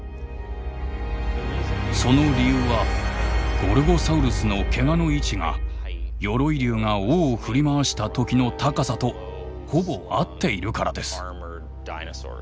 その理由はゴルゴサウルスのけがの位置が鎧竜が尾を振り回した時の高さとほぼ合っているからです。